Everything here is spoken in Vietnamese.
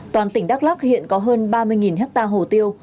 toàn tỉnh đắk lắc hiện có hơn ba mươi hectare hồ tiêu